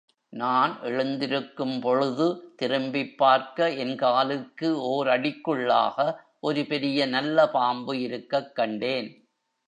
நான் எழுந்திருக்கும் பொழுது திரும்பிப் பார்க்க என் காலுக்கு ஓர் அடிக்குள்ளாக ஒரு பெரிய நல்லபாம்பு இருக்கக் கண்டேன்!